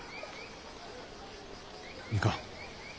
いかん。